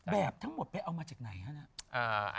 แบบทั้งหมดไปเอามาจากไหนฮะนะ